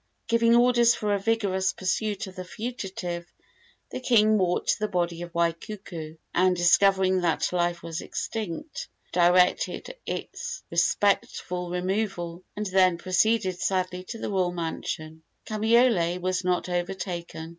Giving orders for a vigorous pursuit of the fugitive, the king walked to the body of Waikuku, and, discovering that life was extinct, directed its respectful removal, and then proceeded sadly to the royal mansion. Kamaiole was not overtaken.